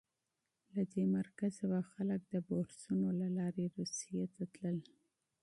له دې مرکزه به خلک د بورسونو له لارې روسیې ته تلل.